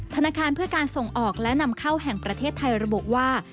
ธนาคารเพื่อการส่งออกและนำเข้าแห่งประเทศไทยระบุว่า